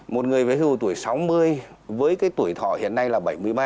một người về hưu tuổi sáu mươi với tuổi thỏ hiện nay là bảy mươi ba